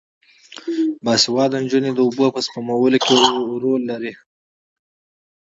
باسواده نجونې د اوبو په سپمولو کې رول لري.